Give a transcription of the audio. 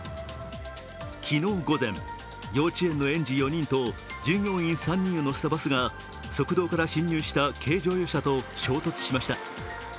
昨日午前、幼稚園の園児４人と従業員３人を乗せたバスが、側道から進入した軽乗用車と衝突しました。